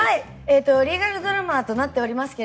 リーガルドラマとなっておりますが